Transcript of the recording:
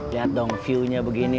lihat dong view nya begini